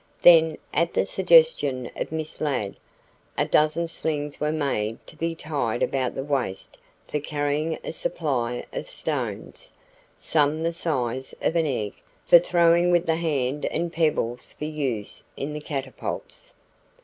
Then at the suggestion of Miss Ladd, a dozen slings were made to be tied about the waist for carrying a supply of stones, some the size of an egg, for throwing with the hand and pebbles for use in the catapults.